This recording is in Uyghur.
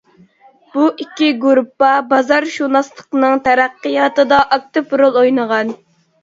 بۇ ئىككى گۇرۇپپا بازارشۇناسلىقنىڭ تەرەققىياتىدا ئاكتىپ رول ئوينىغان.